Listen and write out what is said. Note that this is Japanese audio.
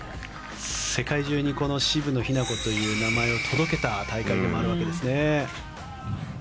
世界中に渋野日向子という名前を届けた大会でもあるわけですね。